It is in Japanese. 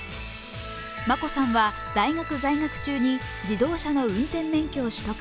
眞子さんは大学在学中に自動車の運転免許を取得。